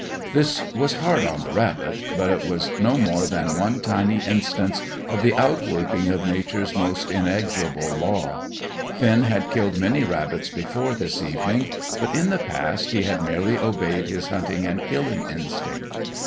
This was hard on the rabbit; but it was no more than one tiny instance of the outworking of Nature's most inexorable law. Finn had killed many rabbits before this evening; but in the past he had merely obeyed his hunting and killing instinct.